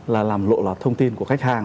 là làm lộ lọt thông tin của khách hàng